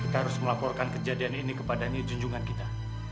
kita harus melaporkan kejadian ini kepada junjungan kita